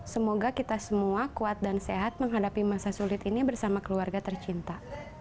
semoga kita semua kuat dan sehat menghadapi masa sulit ini bersama keluarga tercinta